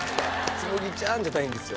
「紬ちゃん」じゃないんですよ。